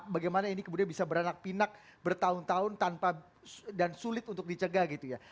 bagaimana ini kemudian bisa beranak pinak bertahun tahun tanpa dan sulit untuk dicegah gitu ya